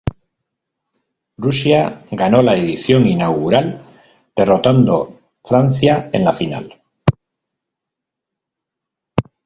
Rusia ganó la edición inaugural, derrotando Francia en la final.